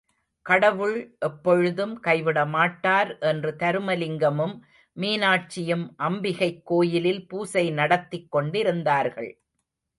கடவுள் எப்பொழுதும் கைவிடமாட்டார் என்று தருமலிங்கமும் மீனாட்சியும் அம்பிகைக் கோயிலில் பூசை நடத்திக் கொண்டிருந்தார்கள்.